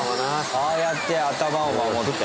ああやって頭を守って。